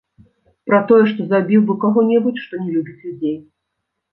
Пра тое, што забіў бы каго-небудзь, што не любіць людзей.